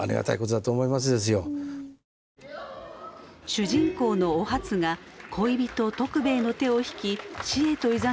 主人公のお初が恋人徳兵衛の手を引き死へといざなう斬新な演出。